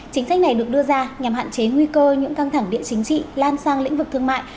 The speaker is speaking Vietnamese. chính sách này được đưa ra nhằm hạn chế nguy cơ những căng thẳng địa chính trị lan sang lĩnh vực thương mại